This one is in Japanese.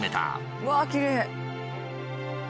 うわきれい！